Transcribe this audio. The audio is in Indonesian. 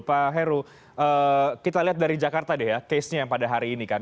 pak heru kita lihat dari jakarta deh ya case nya yang pada hari ini kan